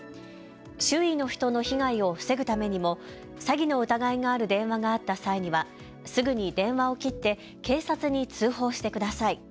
周囲の人の被害を防ぐためにも詐欺の疑いがある電話があった際には、すぐに電話を切って警察に通報してください。